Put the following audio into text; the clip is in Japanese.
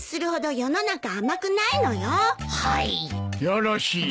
よろしい。